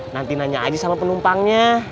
nanti nanya aja sama penumpangnya